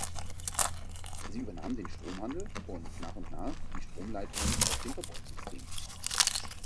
Sie übernahm den Stromhandel und nach und nach die Stromleitungen aus dem Verbundsystem.